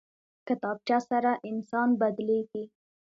کتابچه سره انسان بدلېږي